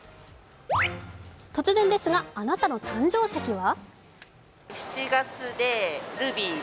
突然ですが、あなたの誕生石は？